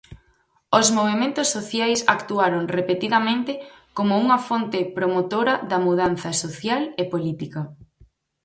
Os movementos sociais actuaron repetidamente como unha fonte promotora da mudanza social e política.